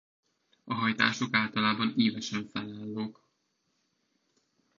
A hajtások általában ívesen felállók.